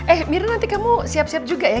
eh mirna nanti kamu siap siap juga ya